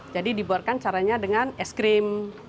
jadi dibuarkan caranya dengan es krim